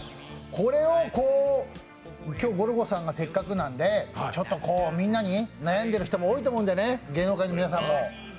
これを今日、せっかくなんでゴルゴさん、みんなに悩んでる人も多いと思うんだよね、芸能界の皆さんも。